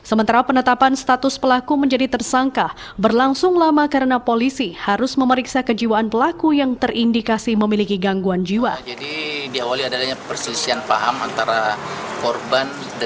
sementara penetapan status pelaku menjadi tersangka berlangsung lama karena polisi harus memeriksa kejiwaan pelaku yang terindikasi memiliki gangguan jiwa